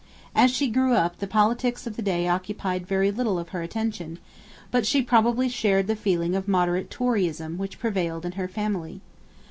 As she grew up, the politics of the day occupied very little of her attention, but she probably shared the feeling of moderate Toryism which prevailed in her family.